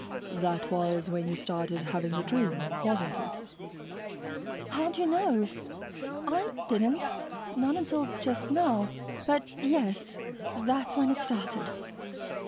"That was when you started having the dream, wasn't it?" "How'd you know? I didn't not until just now. But, yes, that's when it started.